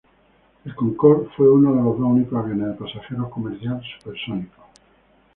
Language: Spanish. El Concorde fue uno de los dos únicos aviones de pasajeros comercial supersónico.